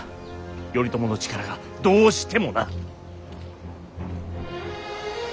頼朝の力がどうしてもな。